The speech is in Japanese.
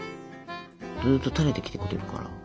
ずっとたれてきてくれるから。